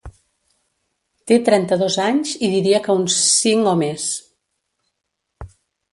Te trenta-dos anys i diria que uns cinc o més.